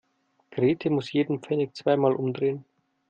Grete muss jeden Pfennig zweimal umdrehen.